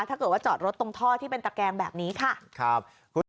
ถ้าเกิดว่าจอดรถตรงท่อที่เป็นตะแกงแบบนี้ค่ะ